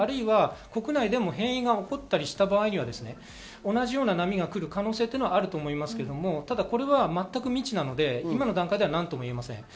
国内でも変異が起こったりした場合には同じような波が来る可能性はあると思いますが、全く未知なので今の段階では何とも言えません。